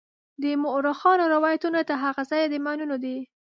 د مورخانو روایتونه تر هغه ځایه د منلو دي.